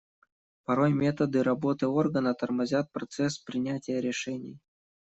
Порой методы работы органа тормозят процесс принятия решений.